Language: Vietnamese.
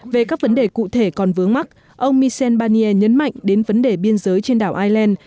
về các vấn đề cụ thể còn vướng mắt ông michel barnier nhấn mạnh đến vấn đề biên giới trên đảo ireland